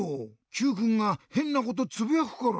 Ｑくんがへんなことつぶやくから。